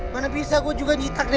mana bisa gue juga nyitak deh